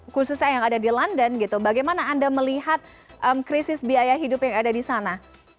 khususnya yang ada di london gitu bagaimana anda melihat krisis biaya hidup yang ada di sana